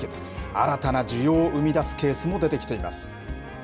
新たな需要を生み出すケースも出てきています。